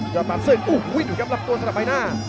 ยอดปรับศึกโอ้โหอยู่อยู่ครับรับตัวสำหรับใบหน้า